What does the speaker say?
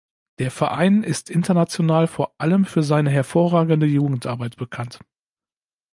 Der Verein ist international vor allem für seine hervorragende Jugendarbeit bekannt.